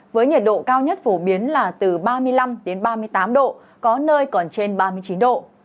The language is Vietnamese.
với nhiệt độ cao nhất phổ biến là từ ba mươi năm đến ba mươi tám độ có nơi còn trên ba mươi chín độ